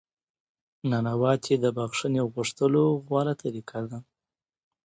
نانواتې د بخښنې غوښتلو غوره طریقه ده.